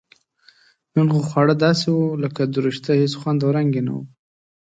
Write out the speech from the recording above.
نن خو خواړه داسې و لکه دورسشته هېڅ خوند او رنګ یې نه و.